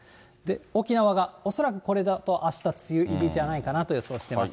沖縄が、恐らくこれだとあした梅雨入りじゃないかなと予想しています。